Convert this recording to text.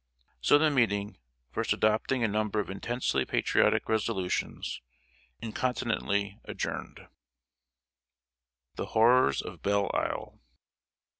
So the meeting, first adopting a number of intensely patriotic resolutions, incontinently adjourned. [Sidenote: THE HORRORS OF BELLE ISLE.